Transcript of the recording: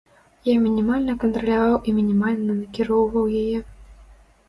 Я мінімальна кантраляваў і мінімальна накіроўваў яе.